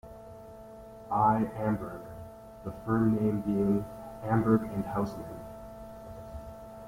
I. Amberg, the firm name being "Amberg and Houseman".